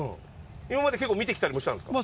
今まで結構見てきたりもしたんですか？